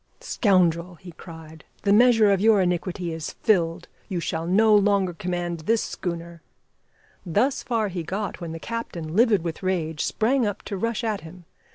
"Scoundrel!" he cried, "the measure of your iniquity is filled. You shall no longer command this schooner " Thus far he got when the captain, livid with rage, sprang up to rush at him.